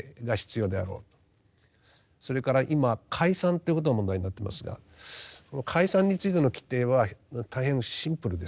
それから今解散ということが問題になってますがこの解散についての規定は大変シンプルです。